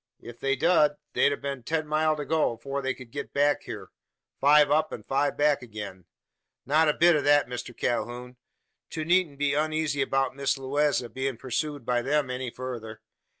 "If they dud, they'd hev ten mile to go, afore they ked git back hyur five up, an five back agin. Not a bit o' that, Mister Calhoun. To needn't be uneezy 'bout Miss Lewaze bein' pursooed by them any further.